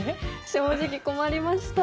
正直困りました。